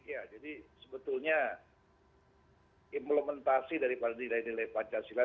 ya jadi sebetulnya implementasi daripada nilai nilai pancasila